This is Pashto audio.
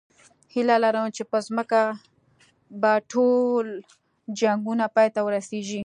هیله لرم چې په ځمکه به ټول جنګونه پای ته ورسېږي